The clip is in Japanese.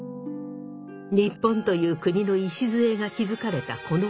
日本という国の礎が築かれたこのころ